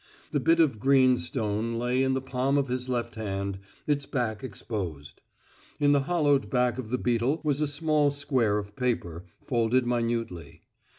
The bit of green stone lay in the palm of his left hand, its back exposed. In the hollowed back of the beetle was a small square of paper, folded minutely.